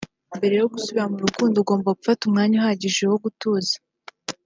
Mbere yo gusubira mu rukundo ugomba gufata umwanya uhagije wo gutuza